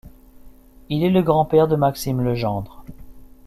Il est le grand-père de Maxime Legendre.